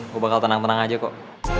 gue bakal tenang tenang aja kok